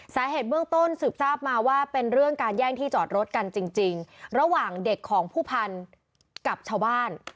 สาเหตุเบื้องต้นสืบทราบมาว่าเป็นเรื่องการแย่งที่จอดรถกันจริงระหว่างเด็กของผู้พันธุ์กับชาวบ้าน